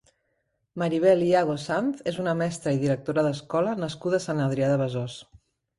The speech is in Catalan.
Maribel Yago Sanz és una mestra i directora d'escola nascuda a Sant Adrià de Besòs.